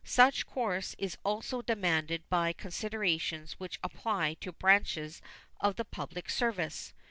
Such course is also demanded by considerations which apply to branches of the public service.